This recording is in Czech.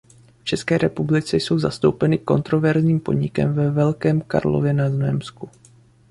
V České republice jsou zastoupeny kontroverzním podnikem ve Velkém Karlově na Znojemsku.